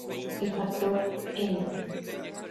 El factor "N"!